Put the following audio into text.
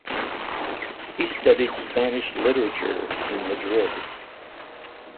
He studied Spanish literature in Madrid.